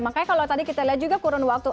makanya kalau tadi kita lihat juga kurun waktu